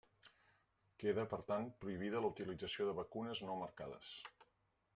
Queda, per tant, prohibida la utilització de vacunes no marcades.